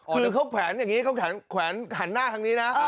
คือเขาแขวนอย่างนี้เขาแขวนหันหน้าทางนี้นะ